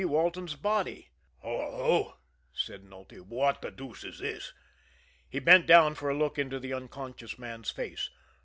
Walton's body. "Hullo!" said Nulty. "What the deuce is this!" He bent down for a look into the unconscious man's face.